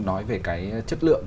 nói về cái chất lượng